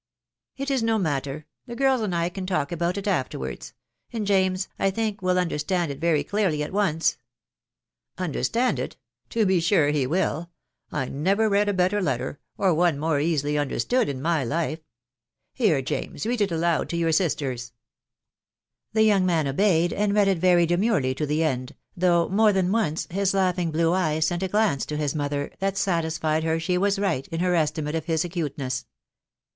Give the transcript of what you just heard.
" It is no matter The girls and I can talk about it afterwards, .... and James, I think, will understand it very clearly at once." " Understand it ?.... to be sure he will. .... I never *ead a better letter, or one more easily understood, Vxt taj 'feit*. — Here, James, read it aloud to your sisters*" THB WIDOW BARNABT. IIS The young man obeyed, and read it very demurely to the end, though, more than once, his laughing blue eye sent a glance to his mother that satisfied her she was right in her estimate of his acuteness.